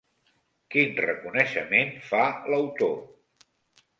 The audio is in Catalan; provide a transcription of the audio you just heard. Quin reconeixement fa l'autor?